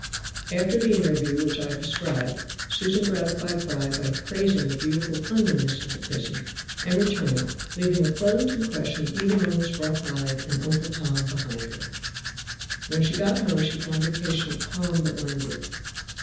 After the interview which I have described, Susan gratified Fry by praising the beautiful cleanliness of the prison, and returned, leaving a pleasant impression even on this rough hide and "Uncle Tom" behind her. When she got home she found her patient calm but languid.